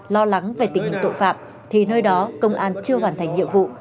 lo lắng về tình hình tội phạm thì nơi đó công an chưa hoàn thành nhiệm vụ